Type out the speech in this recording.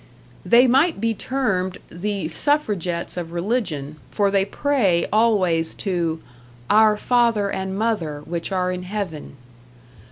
They might be termed the suffragettes of religion, for they pray always to "Our Father and Mother, which are in heaven."